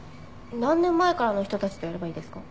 何年前からの人たちとやればいいですか？